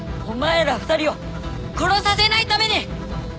お前ら２人を殺させないために！